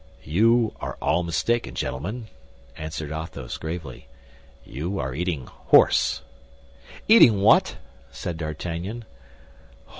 "You are all mistaken, gentlemen," answered Athos, gravely; "you are eating horse." "Eating what?" said D'Artagnan.